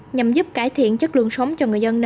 nhằm giúp cải thiện chất lượng sống cho người dân